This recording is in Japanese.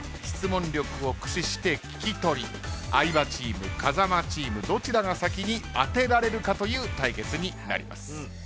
質問力を駆使してキキトリ相葉チーム風間チームどちらが先に当てられるかという対決になります。